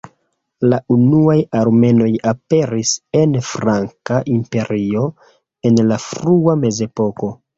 La unuaj armenoj aperis en Franka imperio en la frua mezepoko.